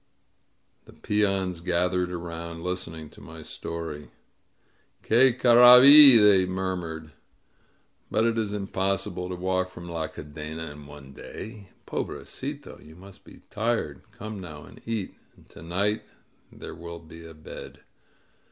The peons gathered around, listening to my story. Qiie carrai iri il^ they murmured. But it is im possible to walk from La Cadena in one day! Pobre cito! You must be tired! Come now and eat. And to night there will be a bed.''